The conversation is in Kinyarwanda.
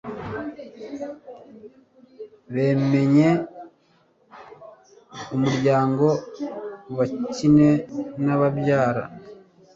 bemenye umuryango bakine n'ababyara